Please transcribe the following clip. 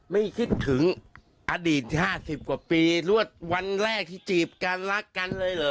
ไม่คิดถึงอดีต๕๐กว่าปีรวดวันแรกที่จีบกันรักกันเลยเหรอ